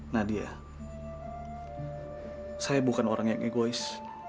nadia saya bukan orang yang egois